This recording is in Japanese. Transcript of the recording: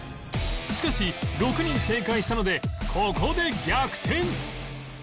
しかし６人正解したのでここで逆転